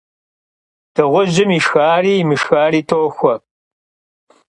Dığujım yişşxari yimışşxari toxue.